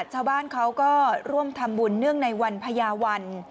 ชาวบ้านเขาก็ร่วมทำบุญเนื่องในวันพญาวัน